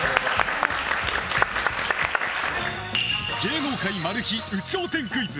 芸能界マル秘有頂天クイズ！